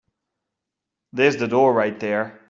There's the door right there.